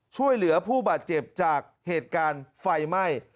ช่วยเหลือผู้บาดเจ็บจากเหตุการณ์ไฟไหม้